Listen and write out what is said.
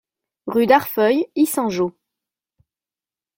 Rue d'Arfeuil, Yssingeaux